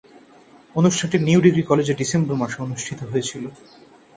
অনুষ্ঠানটি new degree কলেজে December মাসে অনুষ্ঠিত হয়েছিলো।